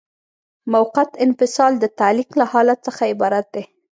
موقت انفصال د تعلیق له حالت څخه عبارت دی.